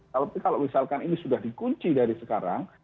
tapi kalau misalkan ini sudah dikunci dari sekarang